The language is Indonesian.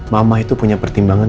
mama itu punya pertimbangan